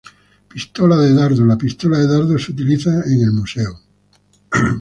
Pistola de dardos: La pistola de dardos se utiliza en el Museo.